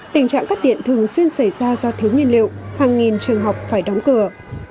tình trạng cắt điện thường xuyên xảy ra do thiếu nhiên liệu hàng nghìn trường học phải đóng cửa